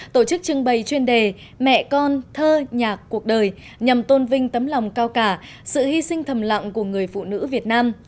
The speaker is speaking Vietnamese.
tổ chức trưng bày chuyên đề mẹ con thơ nhạc cuộc đời nhằm tôn vinh tấm lòng cao cả sự hy sinh thầm lặng của người phụ nữ việt nam